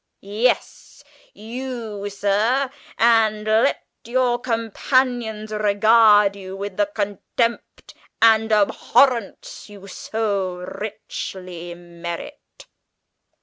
"Yes, you, sir, and let your companions regard you with the contempt and abhorrence you so richly merit!"